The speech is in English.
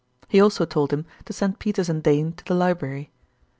He also told him to send Peters and Dane to the library.